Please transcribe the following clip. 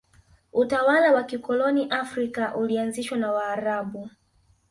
utawala wa kikoloni afrika ulianzishwa na waarabu